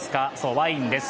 ワインです。